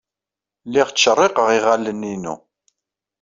Lliɣ ttcerriqeɣ iɣallen-inu.